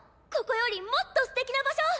ここよりもっとすてきな場所！